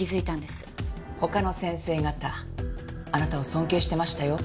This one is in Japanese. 他の先生方あなたを尊敬していましたよ。